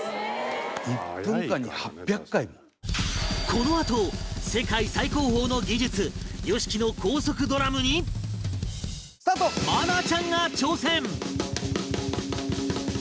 このあと世界最高峰の技術 ＹＯＳＨＩＫＩ の高速ドラムに愛菜ちゃんが挑戦